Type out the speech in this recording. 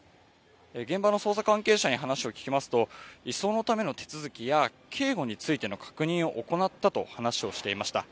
現場の捜査関係者に話を聞きますと、移送のための手続きや警護についての確認を行ったと話をしていました。